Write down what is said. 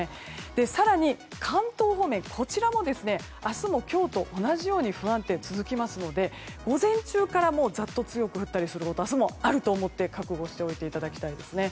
更に、関東方面は明日も今日と同じように不安定、続きますので午前中から、もうざっと強く降ったりすること明日もあると思って覚悟していただきたいですね。